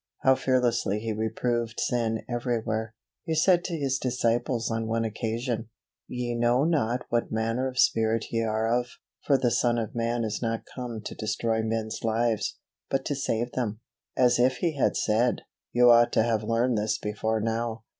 How fearlessly He reproved sin everywhere. He said to his disciples on one occasion, "Ye know not what manner of spirit ye are of. For the Son of man is not come to destroy men's lives, but to save them." As if He had said, you ought to have learned this before now.